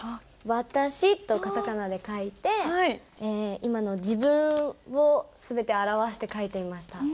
「ワタシ」と片仮名で書いて今の自分を全て表して書いてみました。